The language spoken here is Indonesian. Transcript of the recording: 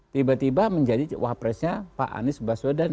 tiba tiba menjadi wapresnya pak anies baswedan